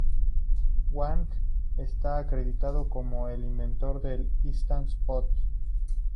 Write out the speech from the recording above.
Wang está acreditado como el inventor de Instant Pot.